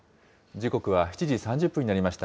時刻は７時３０分になりました。